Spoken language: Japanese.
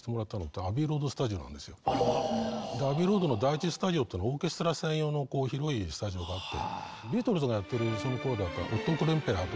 アビー・ロードの第１スタジオってオーケストラ専用の広いスタジオがあって。